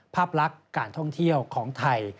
ภาพลักษณ์การท่องเที่ยวของไทย